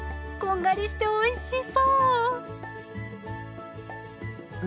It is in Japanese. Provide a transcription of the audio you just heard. こんがりしておいしそう！